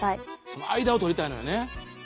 その間を取りたいのよね。